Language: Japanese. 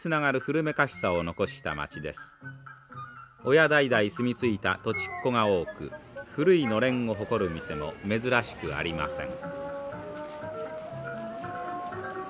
親代々住み着いた土地っ子が多く古いのれんを誇る店も珍しくありません。